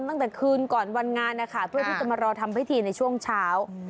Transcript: ตั้งแต่คืนก่อนวันงานนะคะเพื่อที่จะมารอทำพิธีในช่วงเช้า